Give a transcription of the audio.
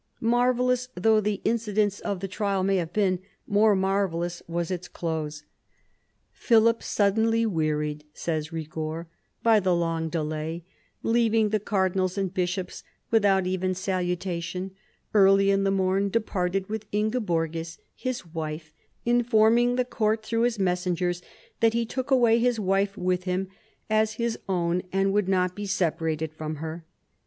Marvellous though the incidents of the trial may have been, more marvellous was its close. Philip suddenly " wearied," says Rigord, "by the long delay, leaving the cardinals and bishops without even saluta tion, early in the morn departed with Ingeborgis, his wife, informing the court through his messengers that he took away his wife with him as his own and would not be separated from her."